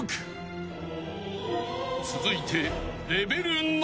［続いて］